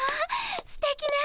すてきな歌。